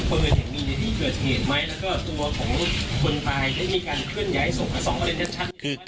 เปลือนอย่างมีในที่เกิดเหตุไหม